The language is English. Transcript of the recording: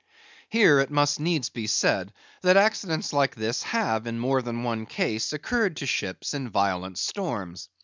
Here, it must needs be said, that accidents like this have in more than one case occurred to ships in violent storms.